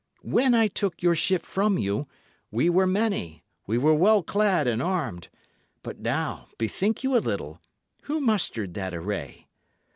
When I took your ship from you, we were many, we were well clad and armed; but now, bethink you a little, who mustered that array?